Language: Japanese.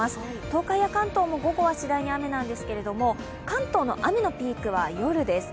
東海や関東も午後は次第に雨なんですけれども、関東の雨のピークは夜です。